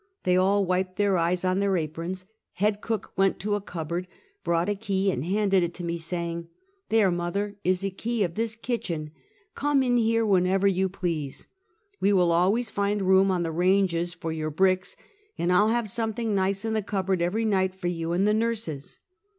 They all wiped their eyes on their aprons; head cook went to a cupboard, brought a key and handed it to me, saying: "There, mother, is a key of this kitchen; come in here whenever you please. We will always find room on the ranges for your bricks, and I'll have something nice in the cupboard every night for you and the nurses.